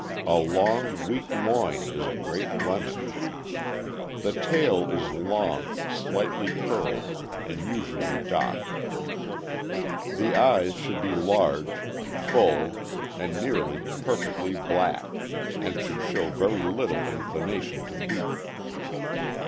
A long, weak loin is a great blemish. The tail is long, slightly curled, and usually docked. The eyes should be large, full, and nearly per fectly black, and should show very little inclination to weep.